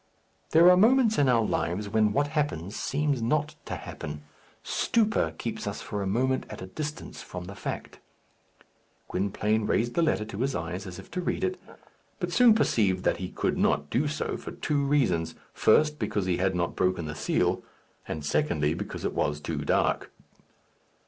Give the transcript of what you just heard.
There are moments in our lives when what happens seems not to happen. Stupor keeps us for a moment at a distance from the fact. Gwynplaine raised the letter to his eyes, as if to read it, but soon perceived that he could not do so for two reasons first, because he had not broken the seal; and, secondly, because it was too dark.